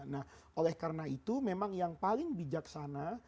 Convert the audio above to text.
nah oleh karena itu memang yang paling bijaksana